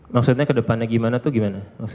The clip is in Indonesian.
maksudnya ke depannya gimana tuh gimana